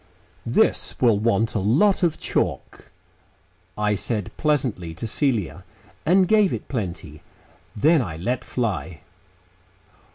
"This will want a lot of chalk," I said pleasantly to Celia, and gave it plenty. Then I let fly....